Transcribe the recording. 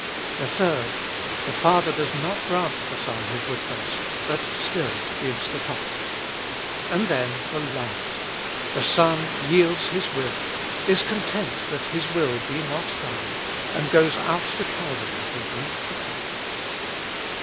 The third : the Father does not grant the Son His request, but still gives the cup. And then the last : the Son yields His will, is content that His will be not done, and goes out to Calvary to drink the cup.